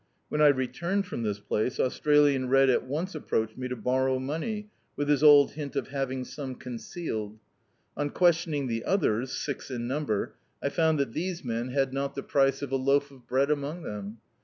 When I re turned from this place, Australian Red at once ap* proached me to borrow money, with his old hint of having some concealed. On questioning the others, six in number, I found that these men had not the [981 Dn.icdt, Google The Cattleman's Office price of a loaf of bread among them.